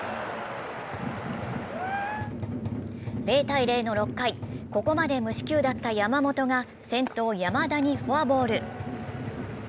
０−０の６回、ここまで無四球だった山本が先頭・山田にフォアボール。